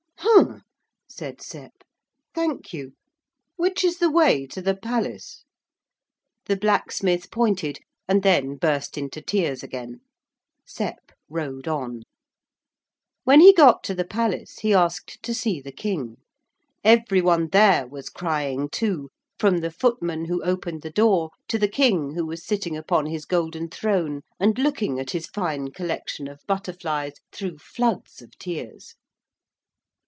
'Humph,' said Sep, 'thank you. Which is the way to the palace?' The blacksmith pointed, and then burst into tears again. Sep rode on. When he got to the palace he asked to see the King. Every one there was crying too, from the footman who opened the door to the King, who was sitting upon his golden throne and looking at his fine collection of butterflies through floods of tears.